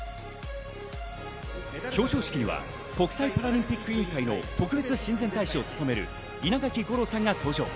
表彰式には国際パラリンピック委員会の特別親善大使を務める稲垣吾郎さんが登場。